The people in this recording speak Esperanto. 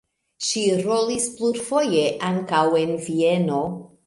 Ŝi rolis plurfoje ankaŭ en Vieno.